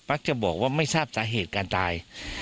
จะบอกว่าไม่ทราบสาเหตุการตาย